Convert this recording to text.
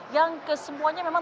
yang kesemuanya memang